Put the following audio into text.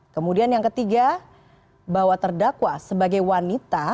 kemudian yang ketiga bahwa terdakwa sebagai wanita